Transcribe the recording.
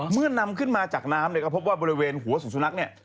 นำขึ้นมาจากน้ำเนี่ยก็พบว่าบริเวณหัวสุนักเนี่ย